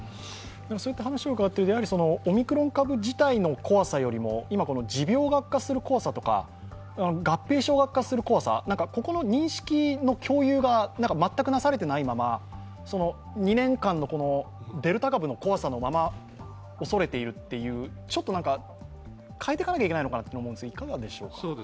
そういった話を伺ってるとオミクロン株自体の怖さよりも持病が悪化する怖さとか、合併症が悪化する怖さ、ここの認識の共有が全くなされていないまま２年間のデルタ株の怖さのままおそれているっていう、ちょっと変えていかなきゃいけないと思うんですが、いかがでしょうか。